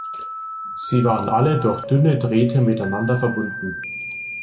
Sie waren alle durch dünne Drähte miteinander verbunden.